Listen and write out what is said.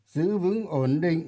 giữ vững ổn định